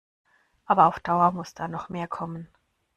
Aber auf Dauer muss da noch mehr kommen.